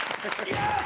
よし！